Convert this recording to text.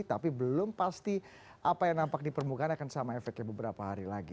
tapi belum pasti apa yang nampak di permukaan akan sama efeknya beberapa hari lagi